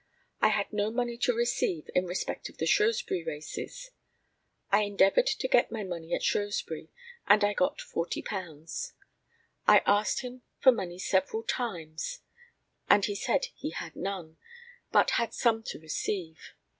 I had no money to receive in respect of the Shrewsbury races. I endeavoured to get my money at Shrewsbury, and I got £40. I asked him for money several times, and he said he had none, but had some to receive.